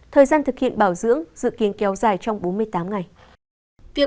thời gian thực hiện bảo dưỡng dự kiến kéo dài trong bốn mươi tám ngày